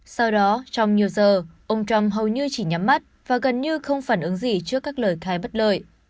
sau đó trong nhiều giờ ông trump hầu như chỉ nhắm mắt và gần như không phản ứng gì trước các lời khai bất lợi